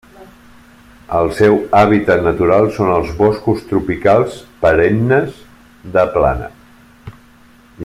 El seu hàbitat natural són els boscos tropicals perennes de plana.